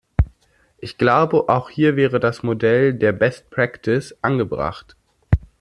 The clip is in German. Ich glaube, auch hier wäre das Modell der best practice angebracht.